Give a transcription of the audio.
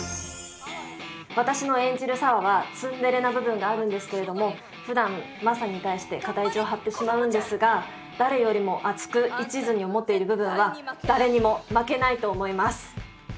私の演じる沙和はツンデレな部分があるんですけれどもふだんマサに対して片意地を張ってしまうんですが誰よりも熱くいちずに思っている部分は誰にも負けないと思います。